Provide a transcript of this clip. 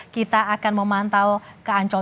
kita akan memantau ke ancol